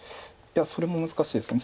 いやそれも難しいです。